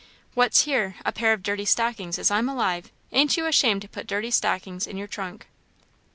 "What's here? a pair of dirty stockings, as I am alive! Ain't you ashamed to put dirty stockings in your trunk?"